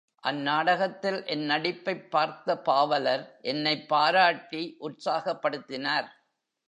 அந்நாடகத்தில் என் நடிப்பைப் பார்த்த பாவலர் என்னைப் பாராட்டி உற்சாகப்படுத்தினார்.